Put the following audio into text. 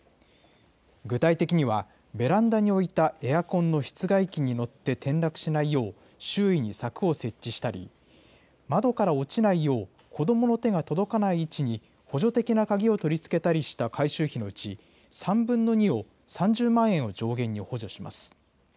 具体的には、ベランダに置いたエアコンの室外機に乗って転落しないよう、周囲に柵を設置したり、窓から落ちないよう子どもの手が届かない位置に補助的な鍵を取り付けたりした改修費のうち、３分の２を、３０万円を上限に補助します。